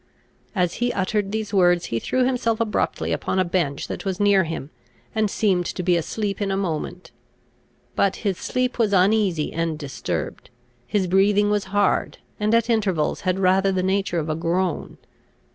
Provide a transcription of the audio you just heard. As he uttered these words, he threw himself abruptly upon a bench that was near him, and seemed to be asleep in a moment. But his sleep was uneasy and disturbed, his breathing was hard, and, at intervals, had rather the nature of a groan.